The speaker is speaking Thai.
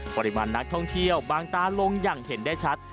ปริมาณนักท่องเที่ยวบางตาลงอย่างเห็นได้ชัด